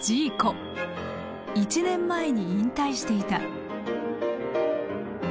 １年前に引退していた。